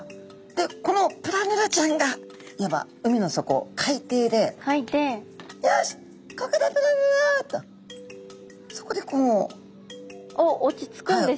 でこのプラヌラちゃんがいわば海の底海底で「よしここだプラヌラ」とそこでこう。おっ落ち着くんですか？